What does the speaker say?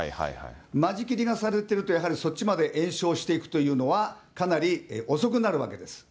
間仕切りがされてると、やはりそっちまで延焼していくというのは、かなり遅くなるわけです。